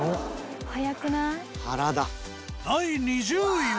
第２０位は。